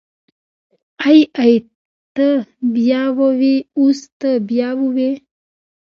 ای ای ته بيا ووی اوس ته بيا ووی.